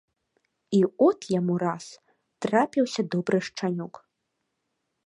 І от яму раз трапіўся добры шчанюк.